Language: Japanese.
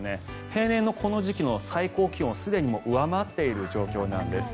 平年のこの時期の最高気温をすでに上回っている状況なんです。